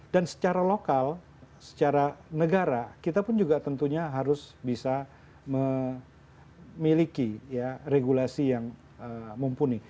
dan secara lokal secara negara kita pun juga tentunya harus bisa memiliki regulasi yang mumpuni